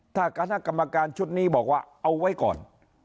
ถ้าคณะกรรมการชุดนี้บอกว่าเอาไว้ก่อน